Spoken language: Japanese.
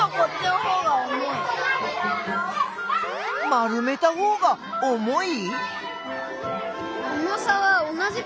丸めたほうが重い？